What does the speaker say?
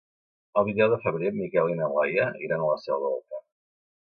El vint-i-nou de febrer en Miquel i na Laia iran a la Selva del Camp.